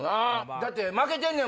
だって負けてんねん